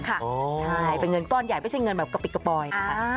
ใช่เป็นเงินก้อนใหญ่ไม่ใช่เงินแบบกระปิกกระปอยนะคะ